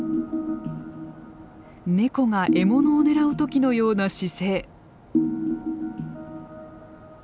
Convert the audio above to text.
ネコが獲物を狙う時のような姿勢。